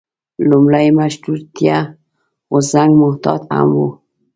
لومړی مشروطیه غورځنګ محتاط هم و.